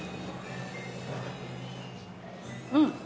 うん！